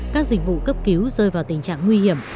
các dịch vụ cấp cứu rơi vào tình trạng nguy hiểm